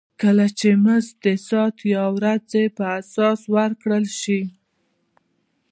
کله چې مزد د ساعت یا ورځې پر اساس ورکړل شي